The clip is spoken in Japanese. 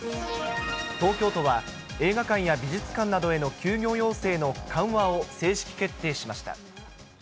東京都は映画館や美術館などへの休業要請の緩和を正式決定しました。